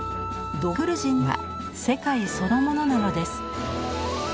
ドクルジンは世界そのものなのです。